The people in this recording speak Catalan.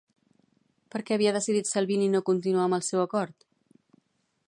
Per què havia decidit Salvini no continuar amb el seu acord?